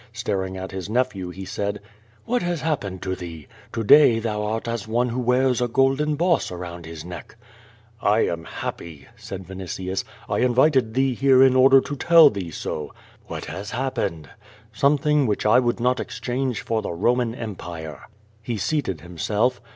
Staring at his nephew he \ said: "What has happened to thee? To day thou art as one who vears a golden boss around his neck." "I am happy," said Vinitius. "I invited thee here in order to tell thee so." "What has happened?" "Something which I would not exchange for the Koman Empire." He seated himself.